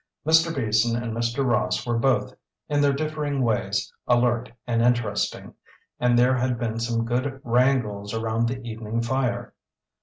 Mr. Beason and Mr. Ross were both, in their differing ways, alert and interesting, and there had been some good wrangles around the evening fire.